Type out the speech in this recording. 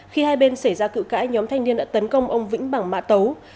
khi hai bên xảy ra cự cãi nhóm thanh niên đã tấn công ông vĩnh bằng mạ tấu